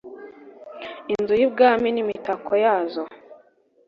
inzu y’ ibwami n’imitako yazo